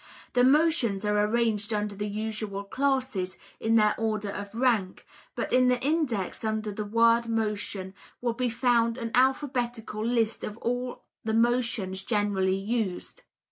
The motions are arranged under the usual classes, in their order of rank, but in the index under the word motion will be found an alphabetical list of all the motions generally used.